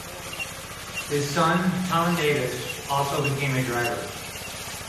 His son Colin Davis also became a driver.